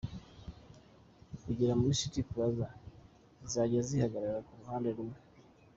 kugera kuri City Plaza, zizajya zihagarara ku ruhande rumwe.